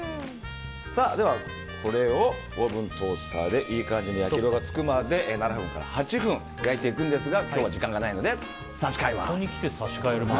ではこれをオーブントースターでいい感じに焼き色がつくまで７分から８分焼いていくんですが時間がないので差し替えます。